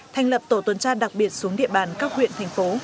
thành lập tổ tuần tra đặc biệt xuống địa bàn các huyện thành phố